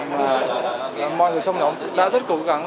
mọi người trong nhóm đã rất cố gắng